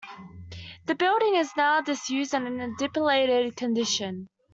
The building is now disused and in a dilapidated condition.